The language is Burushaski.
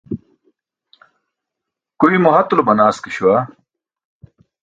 Guymo hatulo manaa ke śuwa.